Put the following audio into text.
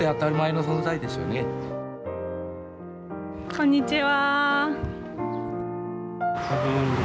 こんにちは。